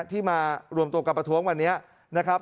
ที่มารวมตัวกับประท้วงวันนี้นะครับ